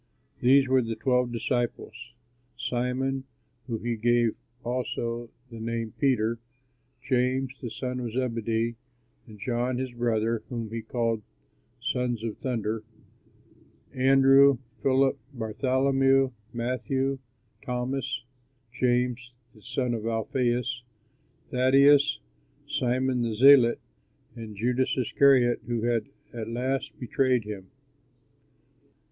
These were the twelve disciples: Simon to whom he gave also the name Peter, James the son of Zebedee and John his brother, whom he called "Sons of Thunder," Andrew, Philip, Bartholomew, Matthew, Thomas, James the son of Alphæus, Thaddeus, Simon the Zealot, and Judas Iscariot, who at last betrayed him.